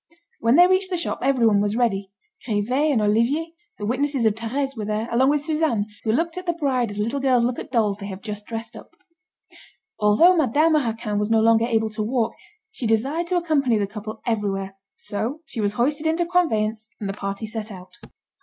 When they reached the shop, everyone was ready: Grivet and Olivier, the witnesses of Thérèse, were there, along with Suzanne, who looked at the bride as little girls look at dolls they have just dressed up. Although Madame Raquin was no longer able to walk, she desired to accompany the couple everywhere, so she was hoisted into a conveyance and the party set out.